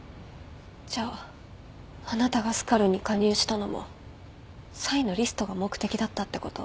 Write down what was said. じゃああなたがスカルに加入したのもサイのリストが目的だったってこと？